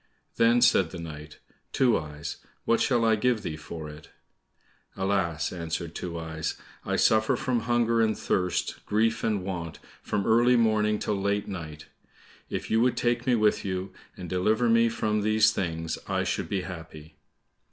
Then said the knight, "Two eyes, what shall I give thee for it?" "Alas!" answered Two eyes, "I suffer from hunger and thirst, grief and want, from early morning till late night; if you would take me with you, and deliver me from these things, I should be happy."